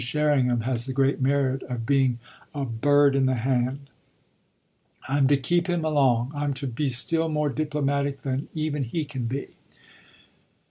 Sherringham has the great merit of being a bird in the hand. I'm to keep him along, I'm to be still more diplomatic than even he can be."